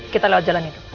kita lewat jalan itu